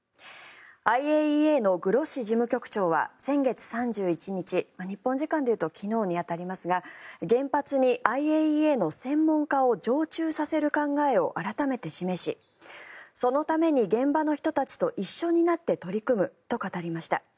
ＩＡＥＡのグロッシ事務局長は先月３１日日本時間でいうと昨日に当たりますが原発にＩＡＥＡの専門家を常駐させる考えを改めて示しそのために現場の人たちと一緒になって取り組むと語りました。